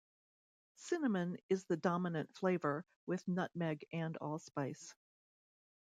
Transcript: Cinnamon is the dominant flavour, with nutmeg and allspice.